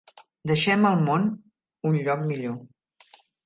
Deixem el món un lloc millor.